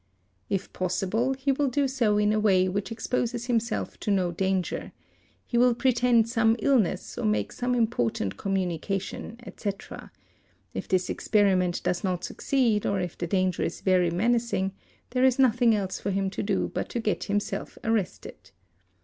If possible, he will do so in a way which exposes — himself to no danger; he will pretend some illness or make some impor tant communication, etc.; if this experiment does not succeed or if the danger is very menacing, there is nothing else for him to do but to get himself arrested.